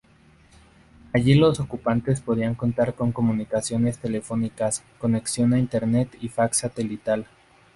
Allí los ocupantes podrán contar con comunicaciones telefónicas, conexión a Internet y fax satelital.